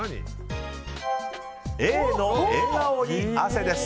Ａの笑顔に汗です。